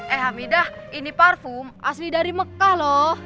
eh hamidah ini parfum asli dari mekah loh